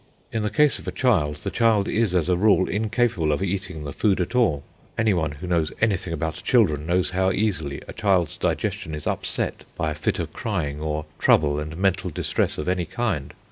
In the case of a child, the child is, as a rule, incapable of eating the food at all. Any one who knows anything about children knows how easily a child's digestion is upset by a fit of crying, or trouble and mental distress of any kind.